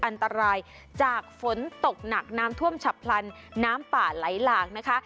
อันตรายจากฝนตกหนักน้ำท่วมฉับพลันน้ำป่าไหลหลากนะคะ